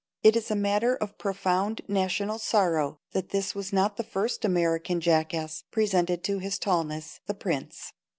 It is a matter of profound national sorrow that this was not the first American jackass presented to his Tallness, the Prince.